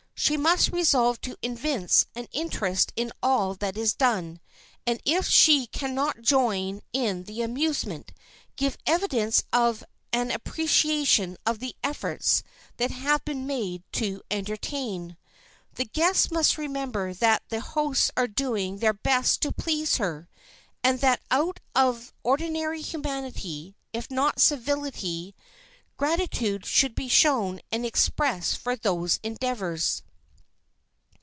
She must resolve to evince an interest in all that is done, and, if she can not join in the amusement, give evidence of an appreciation of the efforts that have been made to entertain. The guest must remember that the hosts are doing their best to please her, and that out of ordinary humanity, if not civility, gratitude should be shown and expressed for these endeavors.